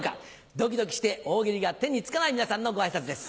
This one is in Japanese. ドキドキして大喜利が手につかない皆さんのご挨拶です。